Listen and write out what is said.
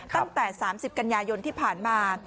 ตั้งแต่๓๐กันยายนที่ผ่านมา